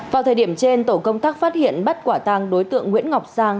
vào thời điểm trên tổ công tác phát hiện bắt quả tăng đối tượng nguyễn ngọc giang